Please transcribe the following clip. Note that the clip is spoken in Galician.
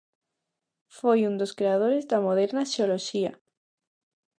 Foi un dos creadores da moderna xeoloxía.